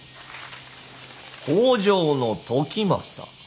北条時政。